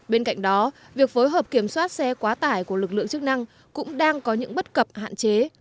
bên cạnh đó việc phối hợp kiểm soát xe quá tải của lực lượng chức năng cũng đang có những bất cập hạn chế